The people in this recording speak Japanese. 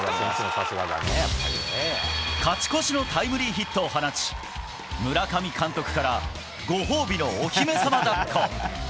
勝ち越しのタイムリーヒットを放ち村上監督からご褒美のお姫様抱っこ！